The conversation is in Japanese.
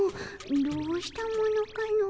どうしたものかの。